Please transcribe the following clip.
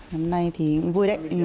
năm nay thì vui đấy